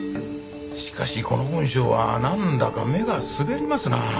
しかしこの文章はなんだか目が滑りますな。